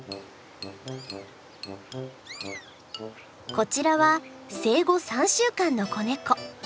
こちらは生後３週間の子ネコ。